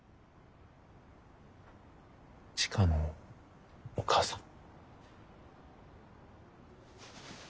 千佳のお母さん？